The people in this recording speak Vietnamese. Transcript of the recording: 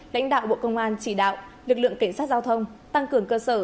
lãnh đạo bộ công an chỉ đạo lực lượng cảnh sát giao thông tăng cường cơ sở